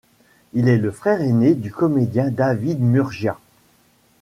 Il est le frère aîné du comédien David Murgia.